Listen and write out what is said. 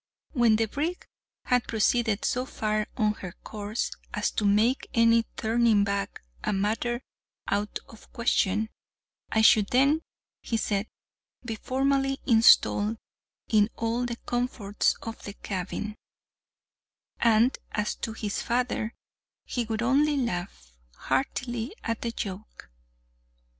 When the brig had proceeded so far on her course as to make any turning back a matter out of question, I should then, he said, be formally installed in all the comforts of the cabin; and as to his father, he would only laugh heartily at the joke.